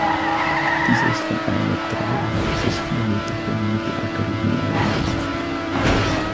Dieser ist von einer drei bis vier Meter hohen mittelalterlichen Mauer umschlossen.